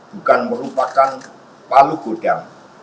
bukan merupakan palu godang